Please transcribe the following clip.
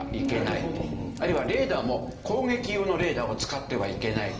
あるいはレーダーも攻撃用のレーダーを使ってはいけない。